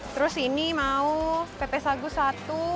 terus ini mau pepesagu satu